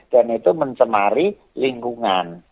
dan itu mencemari lingkungan